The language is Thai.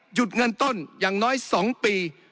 หยุดเงินต้นอย่างน้อย๒ปี